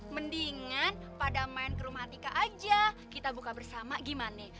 mendingan pada main ke rumah tika aja kita buka bersama gimana